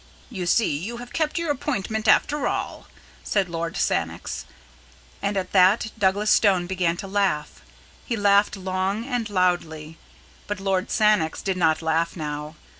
"You see you have kept your appointment after all," said Lord Sannox. And at that Douglas Stone began to laugh. He laughed long and loudly. But Lord Sannox did not laugh now.